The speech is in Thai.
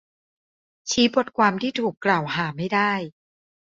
ชี้บทความที่ถูกกล่าวหาไม่ได้